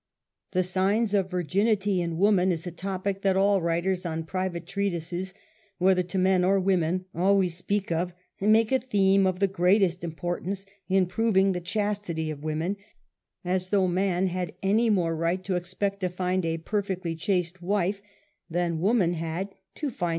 The signs of virginity in woman is a topic that all writers on private treatises, whether to men or wo men, always speak of and make a tlxeme of the greatest importance in proving the chastity of women, as though man had any more right to expect to find a perfectly chaste wife, than woman had to find 2 18 UNMASKED.